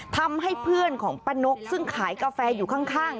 ทำให้เพื่อนของป้านกซึ่งขายกาแฟอยู่ข้าง